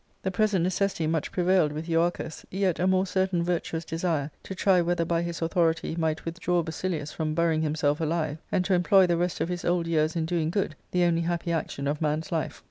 The present necessity much prevailed with Euarchus, yet a more certain virtuous desire to try whether by his authority he might withdraw Basilius from burying himself alive, and to employ the rest of bis old years in doing good, the only happy action of man's life.